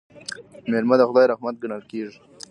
میلمه د خدای رحمت ګڼل کیږي.